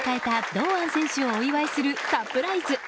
堂安選手をお祝いするサプライズ。